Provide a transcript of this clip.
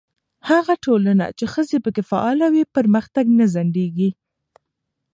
هغه ټولنه چې ښځې پکې فعاله وي، پرمختګ نه ځنډېږي.